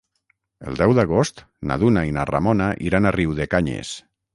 El deu d'agost na Duna i na Ramona iran a Riudecanyes.